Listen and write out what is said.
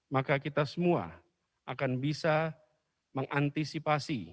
maka kita semua akan bisa mengantisipasi